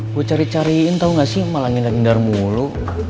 gue cari cariin tau gak sih malah ngindar ngindar mulu